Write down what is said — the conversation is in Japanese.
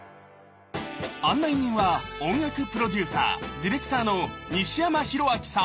案内人は音楽プロデューサーディレクターの西山宏明さん。